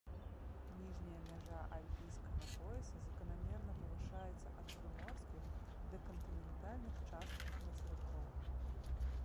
Ніжняя мяжа альпійскага пояса заканамерна павышаецца ад прыморскіх да кантынентальных частках мацерыкоў.